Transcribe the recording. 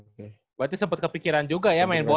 berarti sempet kepikiran juga ya main bola ya